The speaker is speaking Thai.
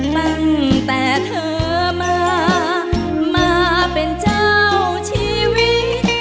ตั้งแต่เธอมามาเป็นเจ้าชีวิต